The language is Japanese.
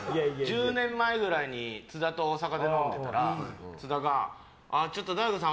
１０年ぐらい前に津田と大阪で飲んでたらちょっと大悟さん